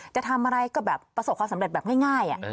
จะทำอะไรก็แบบประสบความสำเร็จแบบง่าย